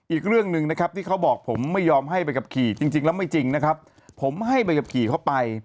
อีกเรื่องหนึ่งนะครับที่เขาบอกผมไม่ยอมให้ใบขับขี่จริงแล้วไม่จริงนะครับผมให้ใบขับขี่เข้าไป